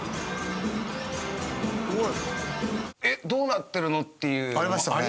えっどうなってるの？っていうのありましたよね。